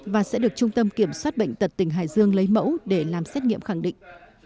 và sẽ được trung tâm kiểm soát bệnh tật tỉnh hải dương lấy mẫu để làm xét nghiệm khẳng định